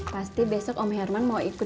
pasti besok om herman mau ikut